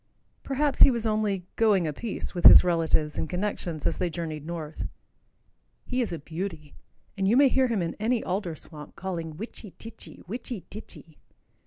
Perhaps he was only "going a piece" with his relatives and connections as they journeyed north. He is a beauty, and you may hear him in any alder swamp calling "witchy titchy, witchy titchy."